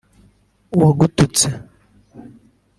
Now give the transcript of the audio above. uwagututse